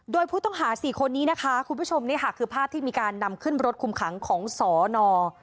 โดยผู้ต้องหา๔คนนี้นะคะคุณผู้ชมนี่ค่ะคือภาพที่มีการนำขึ้นรถคุมขังของสอนอ